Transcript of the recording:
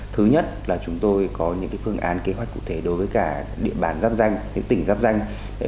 thứ nhất là chúng tôi có những phương án kế hoạch cụ thể đối với cả địa bàn giáp danh những tỉnh giáp danh